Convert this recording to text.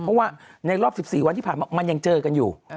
เพราะว่าในรอบ๑๔วันที่ผ่านมามันยังเจอกันอยู่